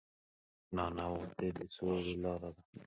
نانواتې د سولې لاره ده